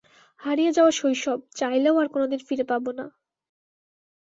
হারিয়ে যাওয়া শৈশব, চাইলেও আর কোনদিন ফিরে পাবো না।